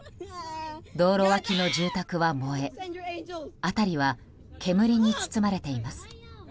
道路脇の住宅は燃え辺りは煙に包まれています。